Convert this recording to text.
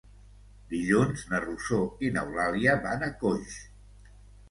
Dilluns na Rosó i n'Eulàlia van a Coix.